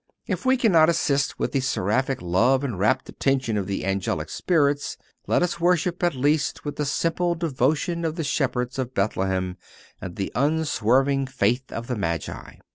If we cannot assist with the seraphic love and rapt attention of the angelic spirits, let us worship, at least, with the simple devotion of the shepherds of Bethlehem and the unswerving faith of the Magi.